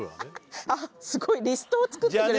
あっすごいリストを作ってくれて。